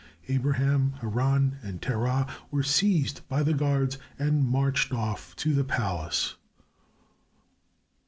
Abraham, Haran and Terah were seized by the guards and marched off to the palace.